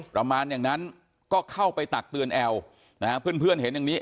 ประมาณอย่างนั้นก็เข้าไปตักเตือนแอลนะฮะเพื่อนเห็นอย่างนี้